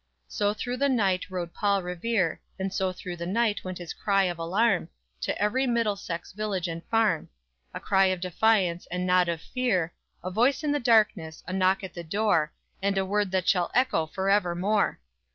_ _"So through the night rode Paul Revere; And so through the night went his cry of alarm To every Middlesex village and farm; A cry of defiance, and not of fear, A voice in the darkness, a knock at the door And a word that shall echo forevermore!